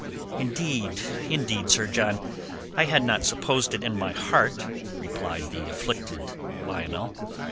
"Indeed, indeed, Sir John, I had not supposed it in my heart," replied the afflicted Lionel.